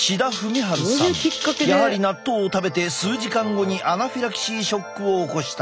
やはり納豆を食べて数時間後にアナフィラキシーショックを起こした。